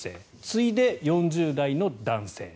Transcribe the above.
次いで４０代の男性。